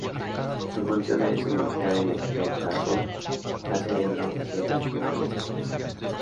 Su función es suministrar energía al corazón y al cerebro en ciertas situaciones excepcionales.